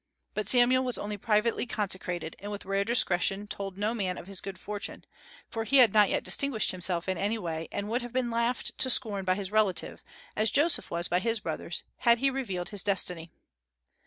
But Saul was only privately consecrated, and with rare discretion told no man of his good fortune, for he had not yet distinguished himself in any way, and would have been laughed to scorn by his relatives, as Joseph was by his brothers, had he revealed his destiny.